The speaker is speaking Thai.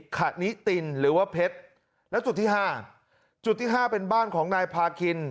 ขนิตินหรือว่าเพชรแล้วจุดที่๕จุดที่๕เป็นบ้านของนายพาคิน